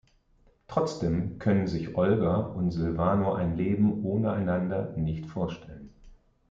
Trotzdem können sich Olga und Silvano ein Leben ohne einander nicht vorstellen.